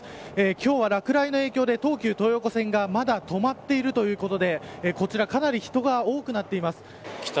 今日は落雷の影響で東急東横線がまだ止まっているということでこちら、かなり人が帰宅